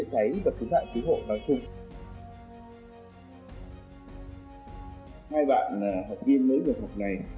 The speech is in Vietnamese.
hai bạn là học viên mới vào học này